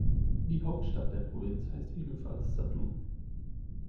Die Hauptstadt der Provinz heißt ebenfalls Satun.